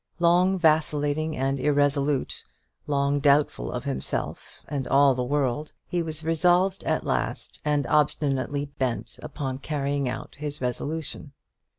Long vacillating and irresolute, long doubtful of himself and all the world, he was resolved at last, and obstinately bent upon carrying out his resolution.